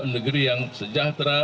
negeri yang sejahtera